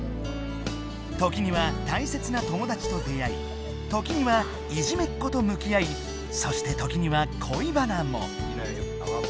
時には大切なともだちと出会い時にはいじめっことむきあいそして時にはこいバナも。